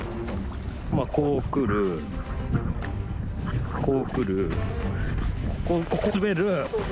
まあこう来るこう来る。